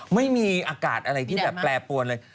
ไม่มีอากาศอะไรที่แบบแปรปวนเลย